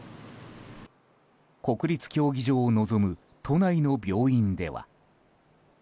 国立競技場を望む都内の病院では。